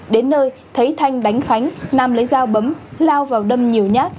đến nơi thấy thanh đánh khánh nam lấy dao bấm lao vào đâm nhiều nhát